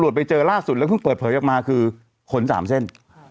แล้วเพิ่งเปิดเผยออกมาคือขนสามเส้น